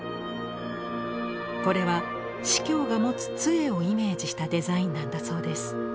これは司教が持つ杖をイメージしたデザインなんだそうです。